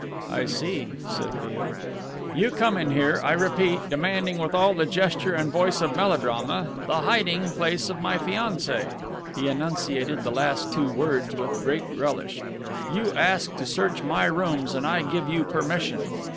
"I see," said Beale. "You come in here, I repeat, demanding with all the gesture and voice of melodrama, the hiding place of my fiancée," he enunciated the two last words with great relish "you ask to search my rooms and I give you permission.